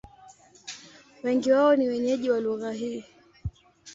Wengi wao ni wenyeji wa lugha hii.